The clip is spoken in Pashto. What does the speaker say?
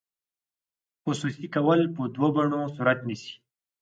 خصوصي کول په دوه بڼو صورت نیسي.